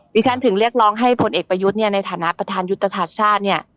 ดิฉันถึงเรียกร้องให้ผลเอกประยุทธในฐานะประธานยุทธศาสตร์ชาติ